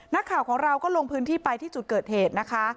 นักข่าวของเราก็ลงพื้นที่ไปที่จุดเกิดเหตุนะคะ